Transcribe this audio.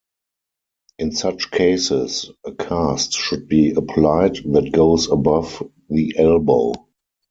In such cases, a cast should be applied that goes above the elbow.